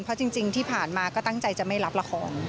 เพราะจริงที่ผ่านมาก็ตั้งใจจะไม่รับละคร